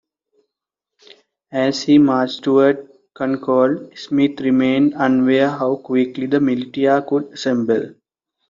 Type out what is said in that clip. As he marched towards Concord, Smith remained unaware how quickly the militia could assemble.